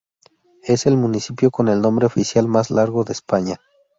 Es el municipio con el nombre oficial más largo de España.